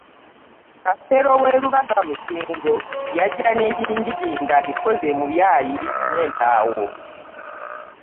Kafeero ow’e Lubaga mu Ssingo yajja n’endingidi ng’akikoze mu byayi n’empaawo.